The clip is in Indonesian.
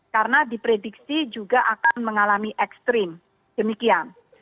karena diprediksi juga akan mengalami ekstrim demikian